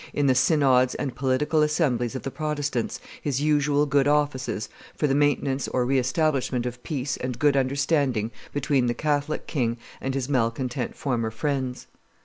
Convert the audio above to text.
in the synods and political assemblies of the Protestants, his usual good offices for the maintenance or re establishment of peace and good understanding between the Catholic king and his malcontent former friends.